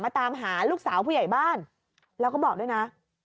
ตามหาลูกสาวผู้ใหญ่บ้านแล้วก็บอกด้วยนะ